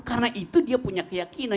karena itu dia punya keyakinan